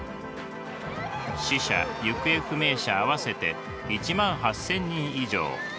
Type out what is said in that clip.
死者行方不明者合わせて１万８，０００人以上。